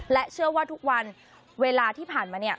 เชื่อว่าทุกวันเวลาที่ผ่านมาเนี่ย